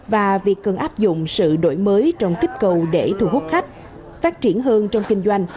và việc cần áp dụng sự đổi mới trong kích cầu để thu hút khách phát triển hơn trong kinh doanh